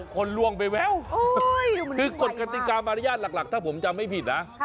คนล่วงไปแววคือกฎกติกามารยาทหลักถ้าผมจำไม่ผิดนะ